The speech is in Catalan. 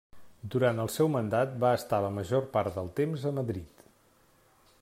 Durant el seu mandat va estar la major part del temps a Madrid.